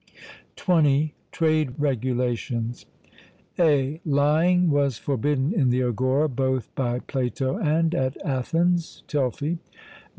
(20) Trade regulations. (a) Lying was forbidden in the agora both by Plato and at Athens (Telfy).